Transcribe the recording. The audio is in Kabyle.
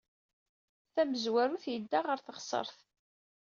Tamezwarut, yedda ɣer teɣsert.